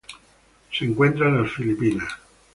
Se encuentra en las Filipinas.